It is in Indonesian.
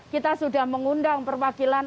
kita sudah mengundang perwakilan